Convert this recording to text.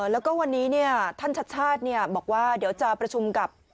แล้วก็วันนี้ท่านชัดชาติบอกว่าเดี๋ยวจะประชุมกับ